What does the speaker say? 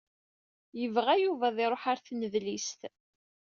Yebɣa Yuba ad iṛuḥ ar tnedlist.